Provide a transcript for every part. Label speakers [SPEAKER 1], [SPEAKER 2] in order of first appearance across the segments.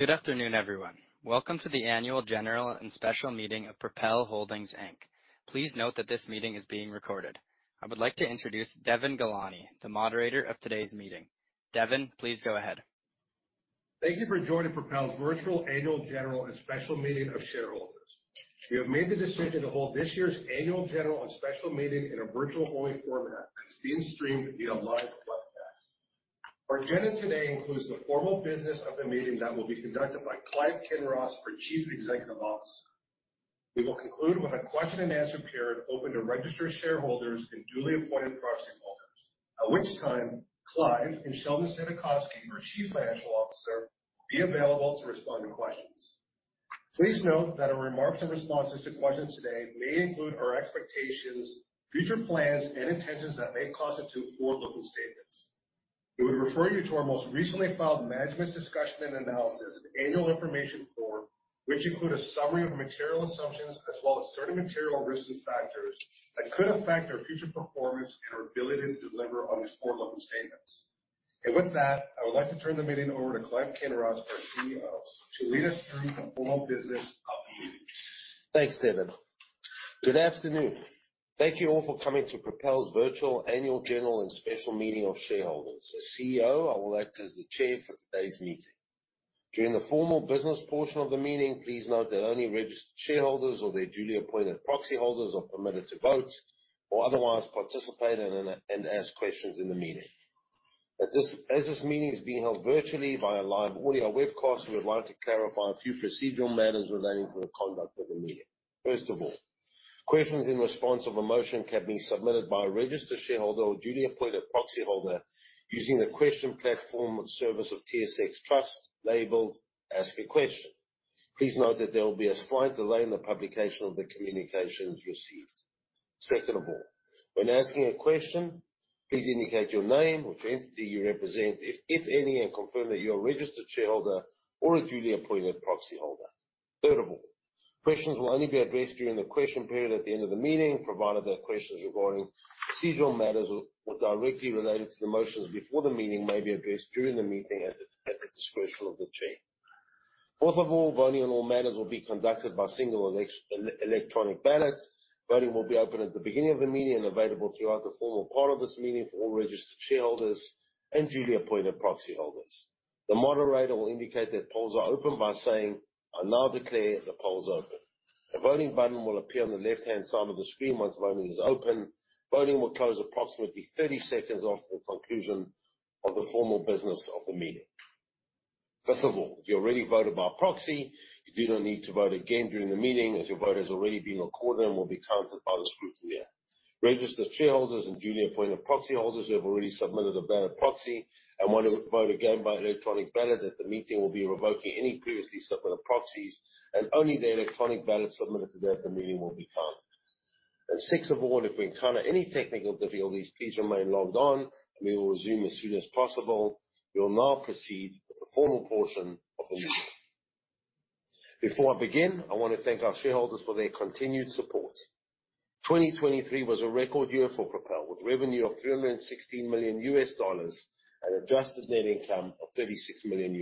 [SPEAKER 1] Good afternoon, everyone. Welcome to the annual general and special meeting of Propel Holdings Inc. Please note that this meeting is being recorded. I would like to introduce Devon Ghelani, the moderator of today's meeting. Devon, please go ahead.
[SPEAKER 2] Thank you for joining Propel's virtual annual general and special meeting of shareholders. We have made the decision to hold this year's annual general and special meeting in a virtual-only format that's being streamed via live webcast. Our agenda today includes the formal business of the meeting that will be conducted by Clive Kinross, our Chief Executive Officer. We will conclude with a question-and-answer period open to registered shareholders and duly appointed proxy holders, at which time Clive and Sheldon Saidakovsky, our Chief Financial Officer, will be available to respond to questions. Please note that our remarks and responses to questions today may include our expectations, future plans, and intentions that may constitute forward-looking statements. We would refer you to our most recently filed management's discussion and analysis of the annual information form, which includes a summary of material assumptions as well as certain material risks and factors that could affect our future performance and our ability to deliver on these forward-looking statements. With that, I would like to turn the meeting over to Clive Kinross, our CEO, to lead us through the formal business of the meeting.
[SPEAKER 3] Thanks, Devon. Good afternoon. Thank you all for coming to Propel's virtual annual general and special meeting of shareholders. As CEO, I will act as the chair for today's meeting. During the formal business portion of the meeting, please note that only registered shareholders or their duly appointed proxy holders are permitted to vote or otherwise participate and ask questions in the meeting. As this meeting is being held virtually via live audio webcast, we would like to clarify a few procedural matters relating to the conduct of the meeting. First of all, questions in response to a motion can be submitted by a registered shareholder or duly appointed proxy holder using the question platform service of TSX Trust labeled "Ask a Question." Please note that there will be a slight delay in the publication of the communications received. Second of all, when asking a question, please indicate your name or the entity you represent, if any, and confirm that you're a registered shareholder or a duly appointed proxy holder. Third of all, questions will only be addressed during the question period at the end of the meeting, provided that questions regarding procedural matters or directly related to the motions before the meeting may be addressed during the meeting at the discretion of the chair. Fourth of all, voting on all matters will be conducted by single electronic ballots. Voting will be open at the beginning of the meeting and available throughout the formal part of this meeting for all registered shareholders and duly appointed proxy holders. The moderator will indicate that polls are open by saying, "I now declare the polls open." A voting button will appear on the left-hand side of the screen once voting is open. Voting will close approximately 30 seconds after the conclusion of the formal business of the meeting. Fifth of all, if you already voted by proxy, you do not need to vote again during the meeting as your vote has already been recorded and will be counted by the scrutineer. Registered shareholders and duly appointed proxy holders who have already submitted a ballot proxy and want to vote again by electronic ballot, that the meeting will be revoking any previously submitted proxies and only the electronic ballot submitted today at the meeting will be counted. Sixth of all, if we encounter any technical difficulties, please remain logged on and we will resume as soon as possible. We will now proceed with the formal portion of the meeting. Before I begin, I want to thank our shareholders for their continued support. 2023 was a record year for Propel with revenue of $316 million and adjusted net income of $36 million.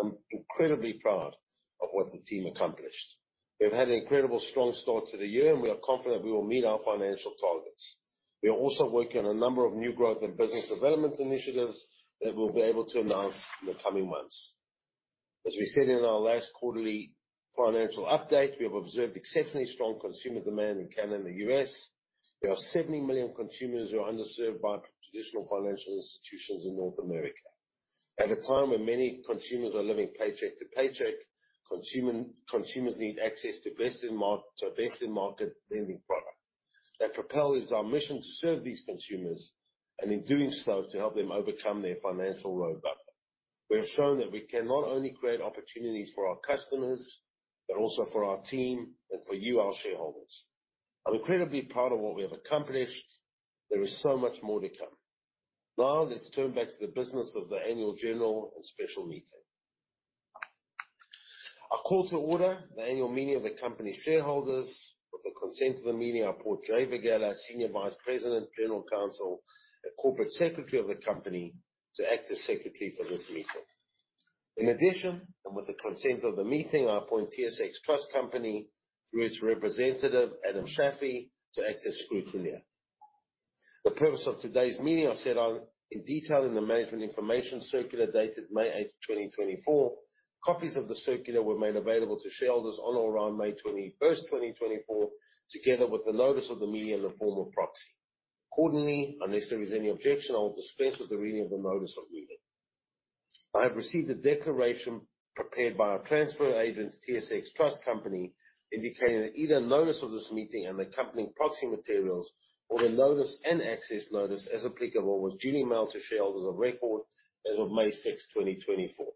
[SPEAKER 3] I'm incredibly proud of what the team accomplished. We've had an incredibly strong start to the year and we are confident we will meet our financial targets. We are also working on a number of new growth and business development initiatives that we'll be able to announce in the coming months. As we said in our last quarterly financial update, we have observed exceptionally strong consumer demand in Canada and the U.S. There are 70 million consumers who are underserved by traditional financial institutions in North America. At a time when many consumers are living paycheck to paycheck, consumers need access to best-in-market lending products. At Propel, it is our mission to serve these consumers and in doing so, to help them overcome their financial road bump. We have shown that we can not only create opportunities for our customers, but also for our team and for you, our shareholders. I'm incredibly proud of what we have accomplished. There is so much more to come. Now let's turn back to the business of the annual general and special meeting. I call to order the annual meeting of the company shareholders. With the consent of the meeting, I appoint Jay Varghese, Senior Vice President, General Counsel, and Corporate Secretary of the company to act as secretary for this meeting. In addition, and with the consent of the meeting, I appoint TSX Trust Company through its representative, Adam Shafey, to act as scrutineer. The purpose of today's meeting is set out in detail in the management information circular dated May 8th, 2024. Copies of the circular were made available to shareholders on or around May 21st, 2024, together with the notice of the meeting in the form of proxy. Accordingly, unless there is any objection, I will dispense with the reading of the notice of meeting. I have received a declaration prepared by our transfer agent, TSX Trust Company, indicating that either notice of this meeting and the accompanying proxy materials or the notice and access notice, as applicable, was duly mailed to shareholders of record as of May 6th, 2024.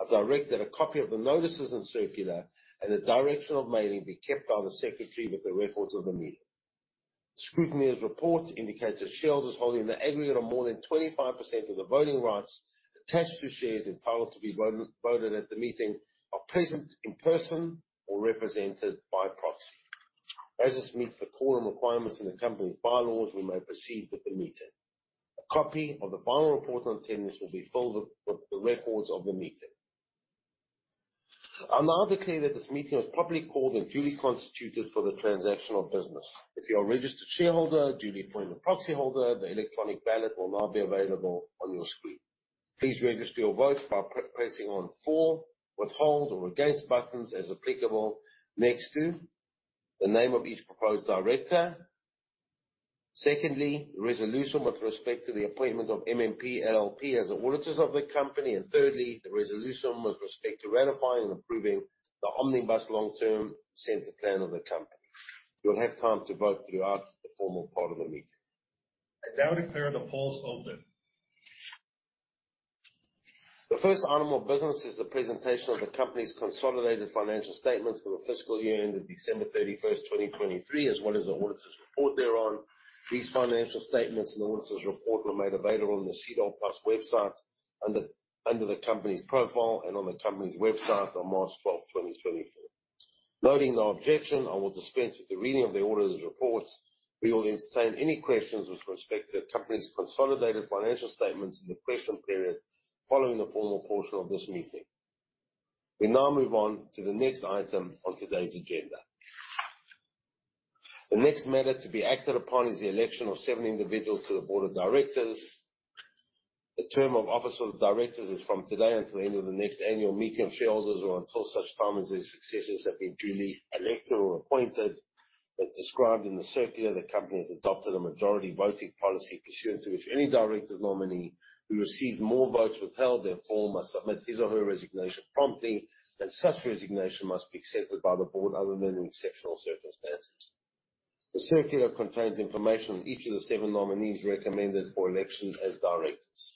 [SPEAKER 3] I've directed a copy of the notices and circular and the direction of mailing be kept by the secretary with the records of the meeting. Scrutineer's report indicates that shareholders holding the aggregate of more than 25% of the voting rights attached to shares entitled to be voted at the meeting are present in person or represented by proxy. As this meets the call and requirements in the company's bylaws, we may proceed with the meeting. A copy of the final report on attendance will be filed with the records of the meeting. I'll now declare that this meeting was publicly called and duly constituted for the transactional business. If you're a registered shareholder, duly appointed proxy holder, the electronic ballot will now be available on your screen. Please register your vote by pressing one for withhold or against buttons, as applicable, next to the name of each proposed director. Secondly, the resolution with respect to the appointment of MNP LLP as the auditors of the company. And thirdly, the resolution with respect to ratifying and approving the Omnibus Long-Term Incentive Plan of the company. You'll have time to vote throughout the formal part of the meeting.
[SPEAKER 1] I now declare the polls open.
[SPEAKER 2] The first item of business is the presentation of the company's consolidated financial statements for the fiscal year ended December 31st, 2023, as well as the auditor's report thereon. These financial statements and the auditor's report were made available on the SEDAR+ website under the company's profile and on the company's website on March 12th, 2024. Noting no objection, I will dispense with the reading of the auditor's reports. We will entertain any questions with respect to the company's consolidated financial statements in the question period following the formal portion of this meeting. We now move on to the next item on today's agenda. The next matter to be acted upon is the election of seven individuals to the board of directors. The term of office of directors is from today until the end of the next annual meeting of shareholders or until such time as their successors have been duly elected or appointed. As described in the circular, the company has adopted a majority voting policy pursuant to which any director's nominee who receives more votes withheld than for must submit his or her resignation promptly, and such resignation must be accepted by the board other than in exceptional circumstances. The circular contains information on each of the seven nominees recommended for election as directors.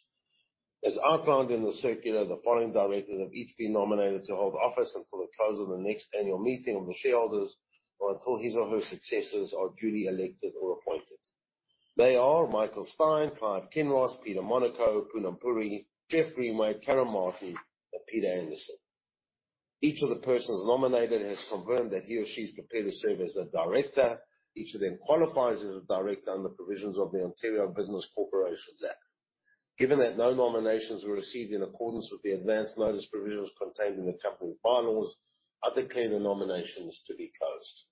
[SPEAKER 2] As outlined in the circular, the following directors have each been nominated to hold office until the close of the next annual meeting of the shareholders or until his or her successors are duly elected or appointed. They are Michael Stein, Clive Kinross, Peter Manos, Poonam Puri, Geoff Greenwade, Karen Martin, and David Anderson. Each of the persons nominated has confirmed that he or she is prepared to serve as a director. Each of them qualifies as a director under provisions of the Ontario Business Corporations Act. Given that no nominations were received in accordance with the advance notice provisions contained in the company's bylaws, I declare the nominations to be closed.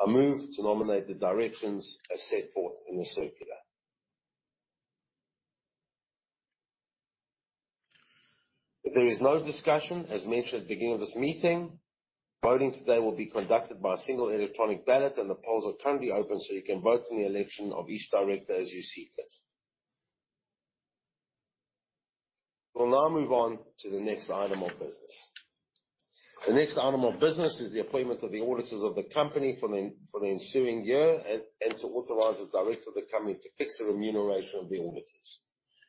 [SPEAKER 2] I move to nominate the directors as set forth in the circular. If there is no discussion, as mentioned at the beginning of this meeting, voting today will be conducted by a single electronic ballot, and the polls are currently open so you can vote in the election of each director as you see fit. We'll now move on to the next item of business. The next item of business is the appointment of the auditors of the company for the ensuing year and to authorize the directors of the company to fix the remuneration of the auditors.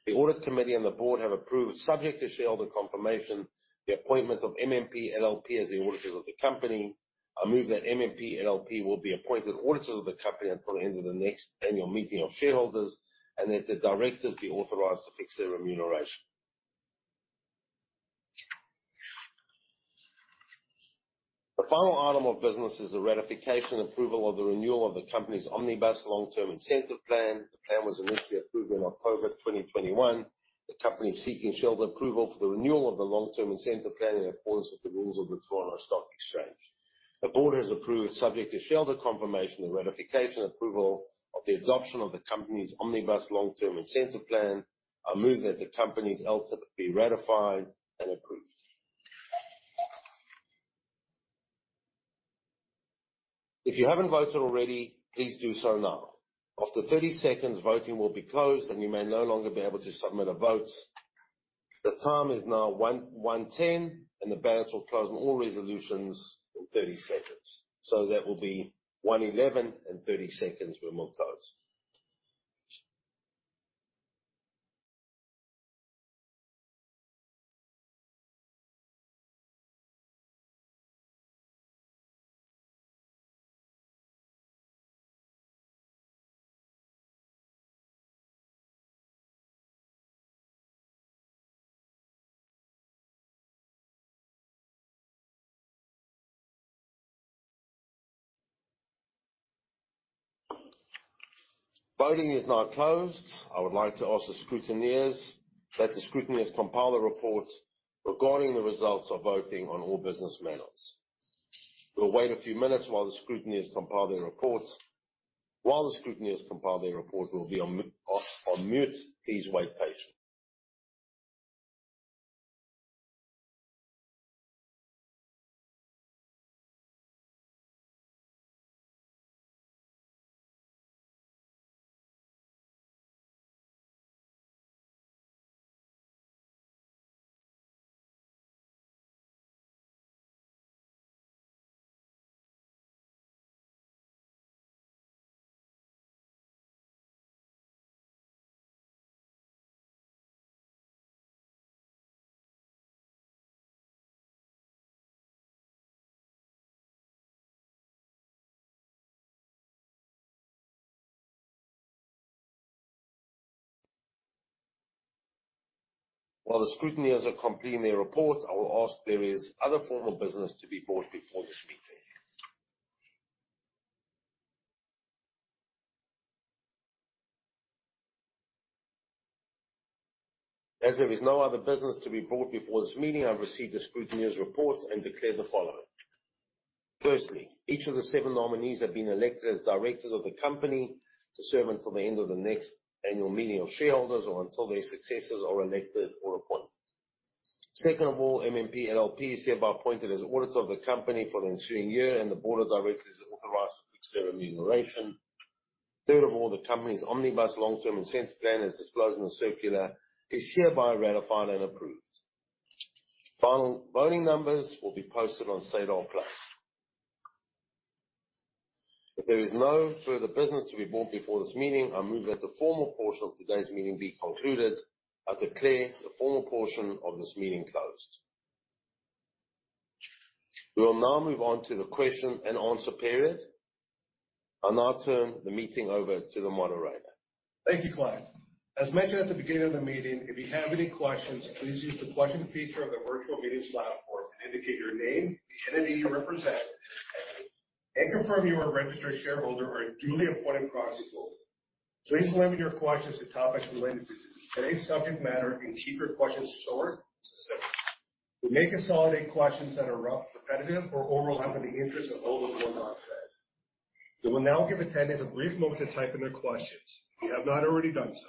[SPEAKER 2] The audit committee and the board have approved, subject to shareholder confirmation, the appointment of MNP LLP as the auditors of the company. I move that MNP LLP be appointed auditors of the company until the end of the next annual meeting of shareholders and that the directors be authorized to fix their remuneration. The final item of business is the ratification and approval of the renewal of the company's Omnibus Long-Term Incentive Plan. The plan was initially approved in October 2021. The company is seeking shareholder approval for the renewal of the Long-Term Incentive Plan in accordance with the rules of the Toronto Stock Exchange. The board has approved, subject to shareholder confirmation, the ratification approval of the adoption of the company's Omnibus Long-Term Incentive Plan. I move that the company's LTIP be ratified and approved. If you haven't voted already, please do so now. After 30 seconds, voting will be closed and you may no longer be able to submit a vote. The time is now 1:10 P.M. and the ballots will close on all resolutions in 30 seconds. So that will be 1:11:30 P.M. when we'll close. Voting is now closed. I would like to ask the scrutineers that the scrutineers compile the report regarding the results of voting on all business matters. We'll wait a few minutes while the scrutineers compile their report. While the scrutineers compile their report, we'll be on mute. Please wait patiently. While the scrutineers are completing their report, I will ask if there is other formal business to be brought before this meeting. As there is no other business to be brought before this meeting, I've received the scrutineer's report and declare the following. Firstly, each of the seven nominees have been elected as directors of the company to serve until the end of the next annual meeting of shareholders or until their successors are elected or appointed. Second of all, MNP LLP is hereby appointed as auditor of the company for the ensuing year and the board of directors is authorized to fix their remuneration. Third of all, the company's Omnibus Long-Term Incentive Plan, as disclosed in the circular, is hereby ratified and approved. Final voting numbers will be posted on SEDAR+. If there is no further business to be brought before this meeting, I move that the formal portion of today's meeting be concluded. I declare the formal portion of this meeting closed. We will now move on to the question and answer period. I'll now turn the meeting over to the moderator.
[SPEAKER 1] Thank you, Clive. As mentioned at the beginning of the meeting, if you have any questions, please use the question feature of the virtual meeting platform and indicate your name, the entity you represent, and confirm you are a registered shareholder or a duly appointed proxy holder. Please limit your questions to topics related to today's subject matter and keep your questions short and specific. We may consolidate questions that are repetitive or overlap with the interests of those on the board's side of the matter. We will now give attendees a brief moment to type in their questions. If you have not already done so.